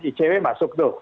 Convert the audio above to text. icw masuk tuh